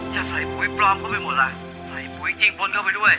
จะใส่ผวยปลอมเข้าไปหมดละใส่ผวยจิ้งป้นเข้าไปด้วย